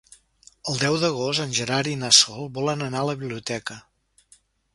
El deu d'agost en Gerard i na Sol volen anar a la biblioteca.